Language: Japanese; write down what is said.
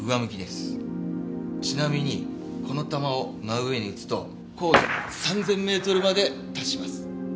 ちなみにこの弾を真上に撃つと高度３０００メートルまで達します。